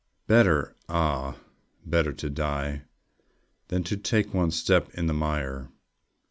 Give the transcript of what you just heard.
Better, ah, better to die Than to take one step in the mire!